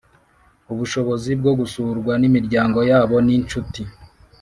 Ubushobozi bwo gusurwa n imiryango yabo n inshuti